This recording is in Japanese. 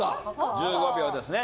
１５秒ですね。